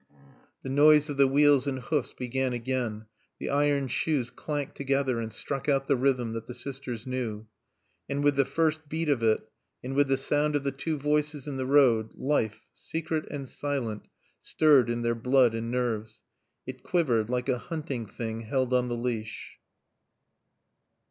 The noise of the wheels and hoofs began again, the iron shoes clanked together and struck out the rhythm that the sisters knew. And with the first beat of it, and with the sound of the two voices in the road, life, secret and silent, stirred in their blood and nerves. It quivered like a hunting thing held on the leash.